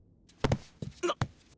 なっ。